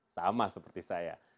sama seperti saya